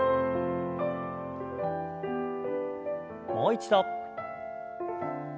もう一度。